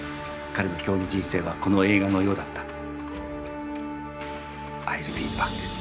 彼の競技人生はこの映画のようだった。